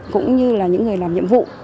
cũng như là những người làm nhiệm vụ